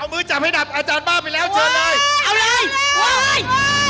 เอามือจับให้ดับอาจารย์บ้าไปแล้วเชิญเลยเอาเลยว้าย